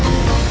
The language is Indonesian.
jadi kita mulai